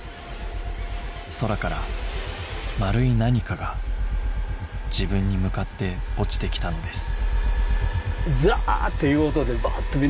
空から丸い何かが自分に向かって落ちてきたのです